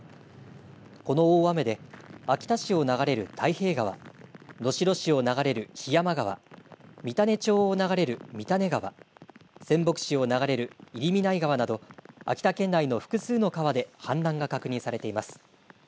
この大雨で秋田市を流れる太平川、能代市を流れる檜山川、三種町を流れる三種川、仙北市を流れる入見内川など秋田県内の複数の川で氾濫が確認されています。